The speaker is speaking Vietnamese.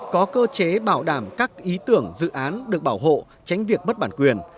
có cơ chế bảo đảm các ý tưởng dự án được bảo hộ tránh việc mất bản quyền